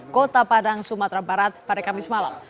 kota padang sumatera barat pada kamis malam